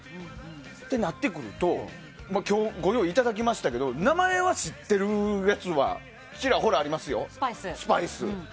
そうなってくると今日、ご用意いただきましたが名前は知っているやつはちらほらありますよ、スパイス。